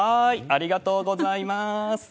ありがとうございます。